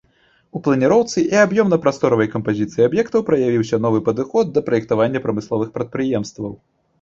У планіроўцы і аб'ёмна-прасторавай кампазіцыі аб'ектаў праявіўся новы падыход да праектавання прамысловых прадпрыемстваў.